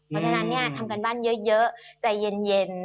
เพราะฉะนั้นทำการบ้านเยอะใจเย็น